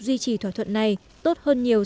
duy trì thỏa thuận này tốt hơn nhiều